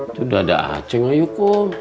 itu dada aceh ngayukom